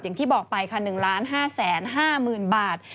อย่างที่บอกไปค่ะ๑๕๕๐๐๐บาท